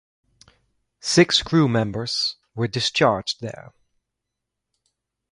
Six crew members were discharged there.